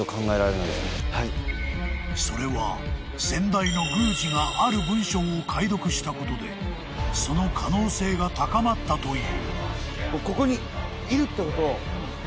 ［それは先代の宮司がある文章を解読したことでその可能性が高まったという］